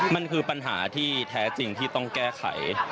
มันคือปัญหาที่แท้จริงที่ต้องแก้ไข